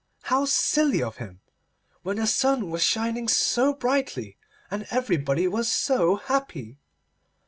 How silly of him, when the sun was shining so brightly, and everybody was so happy!